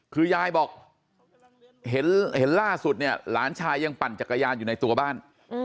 คือยายบอกเห็นล่าสุดเนี่ยหลานชายยังปั่นจักรยานอยู่ในตัวบ้าน